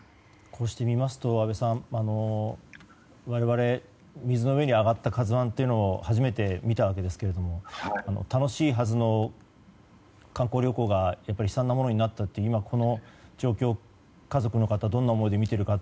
こうして見ますと安倍さん、我々水の上に上がった「ＫＡＺＵ１」を初めて見たわけですけど楽しいはずの観光旅行が悲惨なものになったというこの状況を家族の方どんな思いで見ているのか。